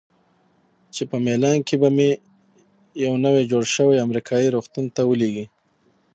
چې په میلان کې به مې یوه نوي جوړ شوي امریکایي روغتون ته ولیږي.